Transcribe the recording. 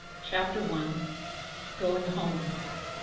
CHAPTER I. GOING HOME.